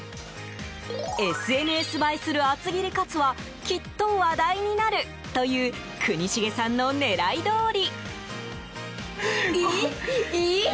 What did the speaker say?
ＳＮＳ映えする厚切りカツはきっと話題になるという国重さんの狙いどおり。